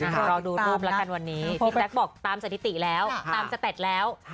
พี่แท็กบอกตามสถิติแล้วตามสตัดแล้ว